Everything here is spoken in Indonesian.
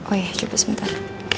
oh iya coba sebentar